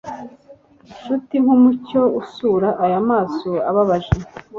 Nshuti nkumucyo usura aya maso ababaje